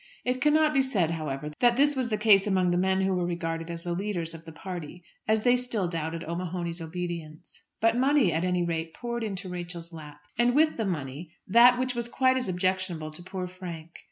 It cannot be said, however, that this was the case among the men who were regarded as the leaders of the party, as they still doubted O'Mahony's obedience. But money at any rate poured into Rachel's lap, and with the money that which was quite as objectionable to poor Frank.